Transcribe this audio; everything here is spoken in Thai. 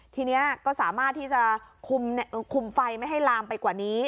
ทีนี้ก็สามารถที่จะคุมไฟไม่ให้ลามไปกว่านี้